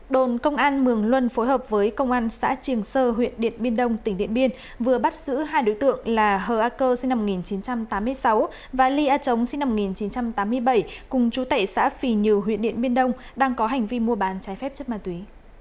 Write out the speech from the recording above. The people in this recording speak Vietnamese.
đồn công an mường luân phối hợp với công an xã triềng sơ huyện điện biên đông tỉnh điện biên vừa bắt giữ hai đối tượng là hờ a cơ sinh năm một nghìn chín trăm tám mươi sáu và ly a trống sinh năm một nghìn chín trăm tám mươi bảy cùng chú tệ xã phì nhừ huyện điện biên đông đang có hành vi mua bán trái phép chất ma túy